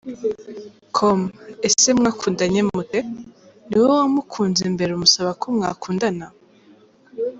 com: Ese mwakundanye mute? Ni wowe wamukunze mbere umusaba ko mwakundana?.